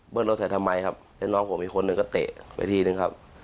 รถใส่ทำไมครับแล้วน้องผมอีกคนหนึ่งก็เตะไปทีนึงครับ